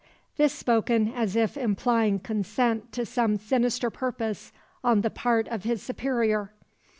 This spoken as if implying consent to some sinister purpose on the part of his superior.